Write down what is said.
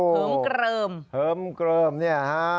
เหิมเกลิมเหิมเกลิมนี่ฮะ